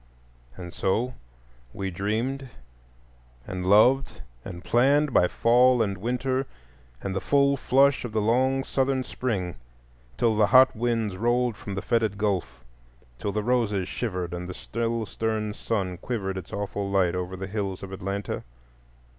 And so we dreamed and loved and planned by fall and winter, and the full flush of the long Southern spring, till the hot winds rolled from the fetid Gulf, till the roses shivered and the still stern sun quivered its awful light over the hills of Atlanta.